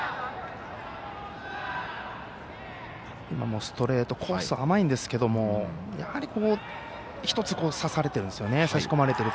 今もストレートコース甘いんですけどやはり、１つ差し込まれているんですよね。